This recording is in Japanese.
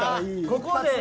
ここで。